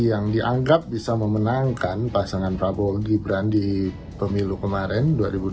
yang dianggap bisa memenangkan pasangan prabowo gibran di pemilu kemarin dua ribu dua puluh